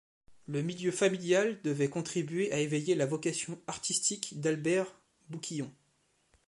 Le milieu familial devait contribuer à éveiller la vocation artistique d'Albert Bouquillon.